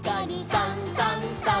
「さんさんさん」